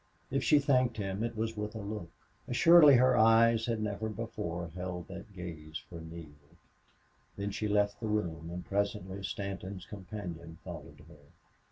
If she thanked him it was with a look. Assuredly her eyes had never before held that gaze for Neale. Then she left the room, and presently Stanton's companion followed her.